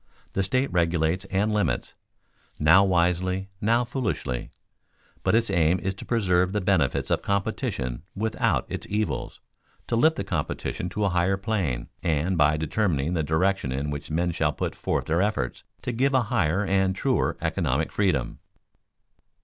The state regulates and limits now wisely, now foolishly; but its aim is to preserve the benefits of competition without its evils, to lift the competition to a higher plane, and, by determining the direction in which men shall put forth their efforts, to give a higher and truer economic freedom.